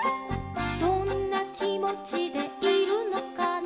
「どんなきもちでいるのかな」